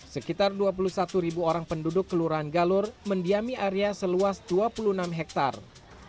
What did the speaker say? sekitar dua puluh satu ribu orang penduduk kelurahan galur mendiami area seluas dua puluh enam hektare